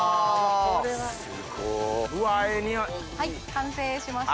完成しました。